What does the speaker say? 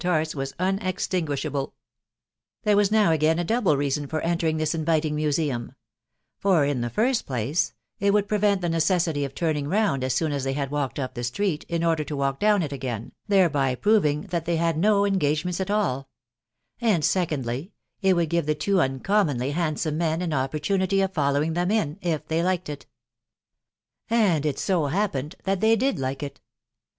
tarts was unextinguishable. There was new again: a doable reason for entering this inviting museum ; for, in the finsi place, it would prevent the necessity of turning round as soon aa they had walked up the street, in order to walk down, it again, thereby proving that they had no engagements at all; and, secondly, it would give the two uncommonly handsome an opportunity of following them in, if they liked it. And it so happened that they did like it.